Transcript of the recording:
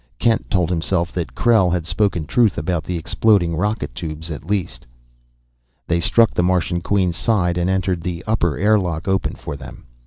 Kent told himself that Krell had spoken truth about the exploding rocket tubes, at least. They struck the Martian Queen's side and entered the upper airlock open for them.